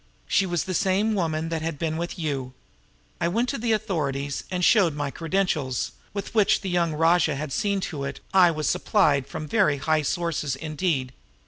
She was the same woman that had been with you. I went to the authorities and showed my credentials, with which the young rajah had seen to it I was supplied from very high sources indeed.